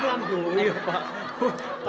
tolong ya pak